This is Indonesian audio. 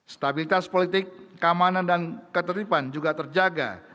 stabilitas politik keamanan dan ketertiban juga terjaga